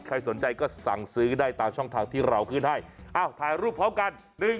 ใครสนใจก็สั่งซื้อได้ตามช่องทางที่เราขึ้นให้ถ่ายรูปพร้อมกัน